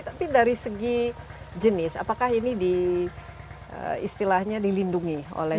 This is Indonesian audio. tapi dari segi jenis apakah ini di istilahnya dilindungi oleh